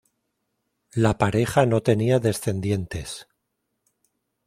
La pareja no tenía descendientes.